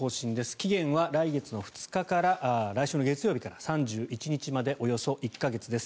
期限は来月の２日来週の月曜日から３１日までおよそ１か月です。